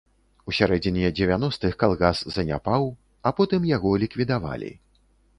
У сярэдзіне дзевяностых калгас заняпаў, а потым яго ліквідавалі.